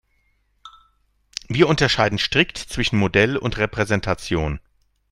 Wir unterscheiden strikt zwischen Modell und Repräsentation.